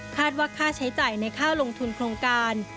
ว่าค่าใช้จ่ายในค่าลงทุนโครงการ